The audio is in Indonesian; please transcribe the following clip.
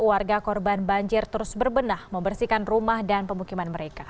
warga korban banjir terus berbenah membersihkan rumah dan pemukiman mereka